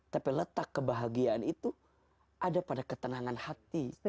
tapi letak kebahagiaan itu ada pada ketenangan hati